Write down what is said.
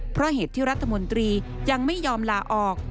เพราะเหตุที่รัฐมนตรียังไม่ยอมลาออก